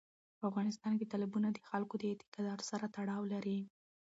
په افغانستان کې تالابونه د خلکو د اعتقاداتو سره تړاو لري.